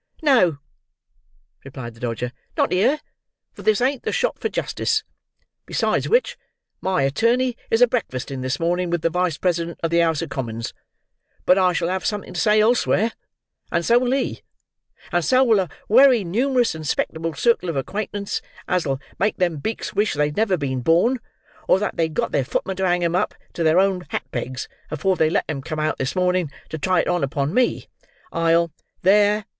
"No," replied the Dodger, "not here, for this ain't the shop for justice: besides which, my attorney is a breakfasting this morning with the Wice President of the House of Commons; but I shall have something to say elsewhere, and so will he, and so will a wery numerous and 'spectable circle of acquaintance as'll make them beaks wish they'd never been born, or that they'd got their footmen to hang 'em up to their own hat pegs, afore they let 'em come out this morning to try it on upon me. I'll—" "There!